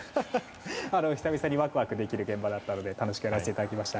久々にワクワクできる現場だったので楽しくやらせていただきました。